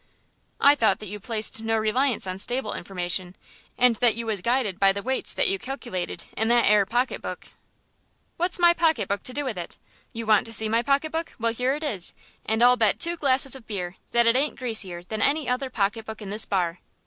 "I thought that you placed no reliance on stable information, and that you was guided by the weights that you calculated in that 'ere pocket book." "What's my pocket book to do with it? You want to see my pocket book; well, here it is, and I'll bet two glasses of beer that it ain't greasier than any other pocket book in this bar."